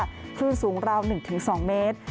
คลื่นสูงราว๑๒เมตร